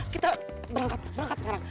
kita berangkat berangkat sekarang